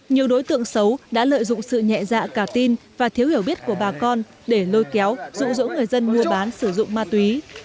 nhiều đối tượng xấu đã lợi dụng sự nhẹ dạ cả tin và thiếu hiểu biết của bà con để lôi kéo rụ rỗ người dân mua bán sử dụng ma túy